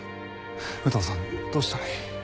有働さんどうしたらいい？